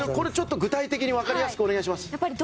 具体的に分かりやすくお願いします。